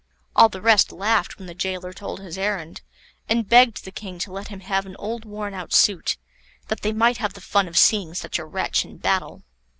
All the rest laughed when the gaoler told his errand, and begged the King to let him have an old worn out suit, that they might have the fun of seeing such a wretch in battle.